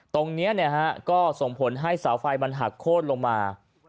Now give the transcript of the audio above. ตรงนี้ก็ส่งผลให้เสาไฟมันหักโค้นลงมา